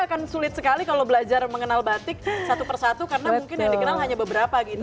akan sulit sekali kalau belajar mengenal batik satu persatu karena mungkin yang dikenal hanya beberapa gitu